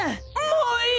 もういい！